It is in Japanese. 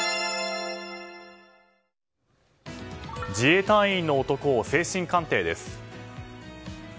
自衛隊員の男を精神鑑定です。